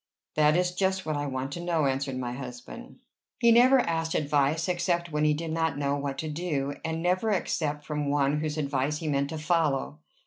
"That is just what I want to know," answered my husband. He never asked advice except when he did not know what to do; and never except from one whose advice he meant to follow.